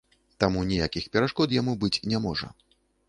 Таму ніякіх перашкод яму быць не можа.